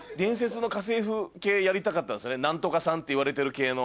何とかさんっていわれてる系の。